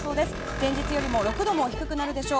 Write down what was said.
前日より６度も低くなるでしょう。